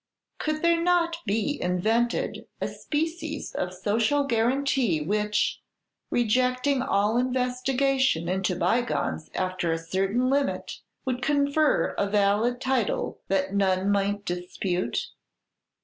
Could there not be invented a species of social guarantee which, rejecting all investigation into bygones after a certain limit, would confer a valid title that none might dispute?